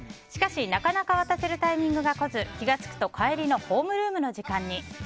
しかし、なかなか渡せるタイミングが来ず気が付くと帰りのホームルームの時間に。